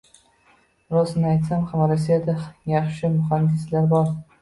Rostini aytsam, ha, Rossiyada yaxshi muhandislar bor